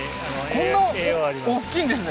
こんなおっきいんですね